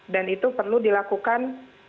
dan itu perlu dilakukan